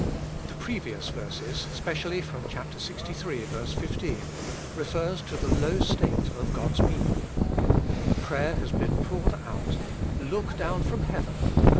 The previous verses, specially from chap. Ixiii. 15, refers to the low state of God's people. The prayer has heen poured out, ' Look down from heaven' (ver.